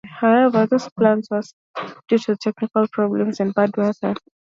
However, those plans were scuttled due to technical problems and bad weather.